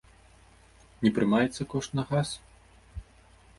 Не прымаецца кошт на газ?